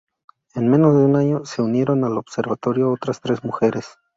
En menos de un año, se unieron al observatorio otras tres mujeres.